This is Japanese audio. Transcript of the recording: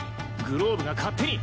グローブが勝手に。